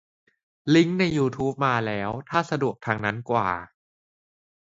ลิงก์ในยูทูบมาแล้ว ถ้าสะดวกทางนั้นกว่า